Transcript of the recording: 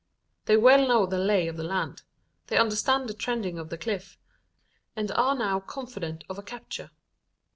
They well know the "lay" of the land. They understand the trending of the cliff; and are now confident of a capture.